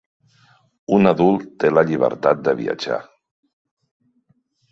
Un adult té la llibertat de viatjar.